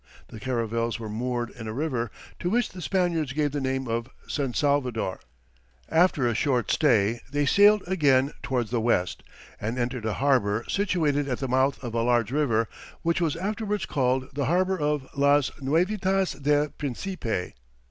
The caravels were moored in a river, to which the Spaniards gave the name of San Salvador; after a short stay, they sailed again towards the west, and entered a harbour situated at the mouth of a large river which was afterwards called the harbour of Las Nuevitas del Principe.